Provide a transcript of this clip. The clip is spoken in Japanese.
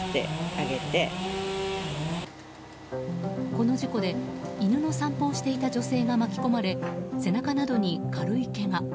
この事故で犬の散歩をしていた女性が巻き込まれ背中などに軽いけが。